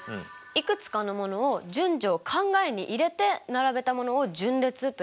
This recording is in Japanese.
いくつかのものを順序を考えに入れて並べたものを順列といいました。